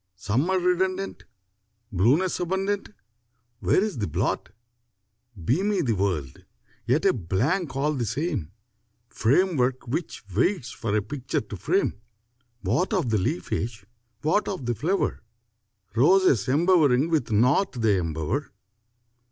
Summer redundant, Blueness abundant, Where is the blot? Beamy the world, yet a blank all the same, Framework which waits for a picture to frame: What of the leafage, what of the flower? Roses embowering with naught they embower!